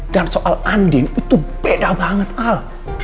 dan soal andi itu beda banget al